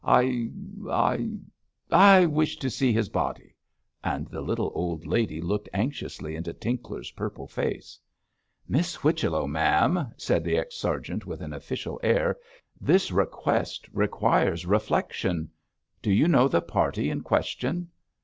I I I wish to see his body;' and the little old lady looked anxiously into Tinkler's purple face. 'Miss Whichello, ma'am,' said the ex sergeant with an official air, 'this request requires reflection. Do you know the party in question?'